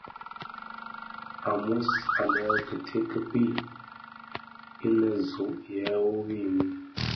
Àa nwos anè kite kì kpii, inè zòò yëë rôôghi mii.